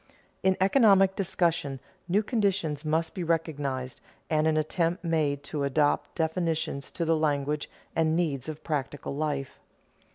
_ In economic discussion new conditions must be recognized and an attempt made to adapt definitions to the language and needs of practical life.